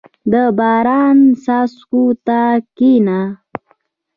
• د باران څاڅکو ته کښېنه.